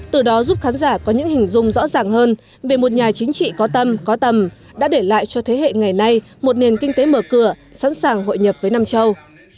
từ đó giúp khán giả có những hình dung rõ ràng hơn về một nhà chính trị có tâm có tầm đã để lại cho thế hệ ngày nay một nền kinh tế mở cửa sẵn sàng hội nhập với nam châu